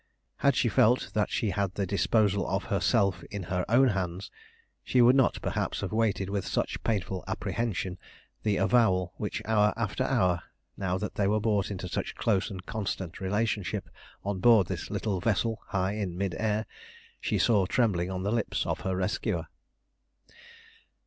Had she felt that she had the disposal of herself in her own hands, she would not, perhaps, have waited with such painful apprehension the avowal which hour after hour, now that they were brought into such close and constant relationships on board this little vessel high in mid air, she saw trembling on the lips of her rescuer.